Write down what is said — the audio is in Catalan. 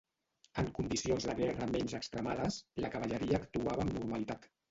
En condicions de guerra menys extremades la cavalleria actuava amb normalitat.